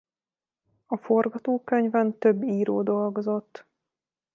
A forgatókönyvön több író dolgozott.